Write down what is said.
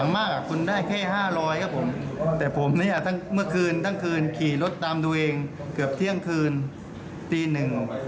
เมื่อคืนทั้งคืนขี่รถตามดูเองเกือบเที่ยงคืนตีหนึ่ง